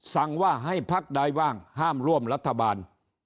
สั่งว่าให้พักใดบ้างห้ามร่วมรัฐบาล